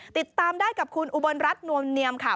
ติดตามได้กับคุณอุบลรัฐนวลเนียมค่ะ